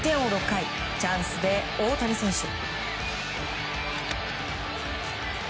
６回チャンスで大谷選手。